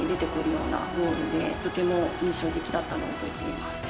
とても印象的だったのを覚えています。